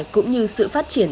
cũng như sự phát triển